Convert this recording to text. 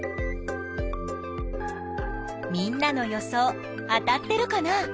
みんなの予想当たってるかな？